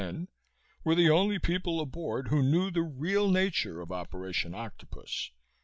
N., were the only people aboard who knew the real nature of Operation Octopus.